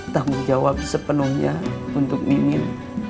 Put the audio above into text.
tanggung jawab sepenuhnya untuk mimir